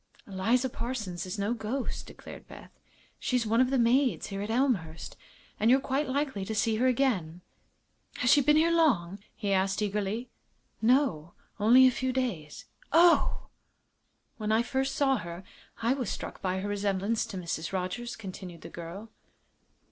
"Eliza Parsons is no ghost," declared Beth. "She's one of the maids here at Elmhurst, and you're quite likely to see her again." "Has she been here long?" he asked, eagerly. "No; only a few days." "Oh!" "When I first saw her I was struck by her resemblance to Mrs. Rogers," continued the girl.